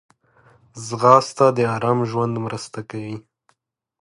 ځغاسته د آرام ژوند مرسته کوي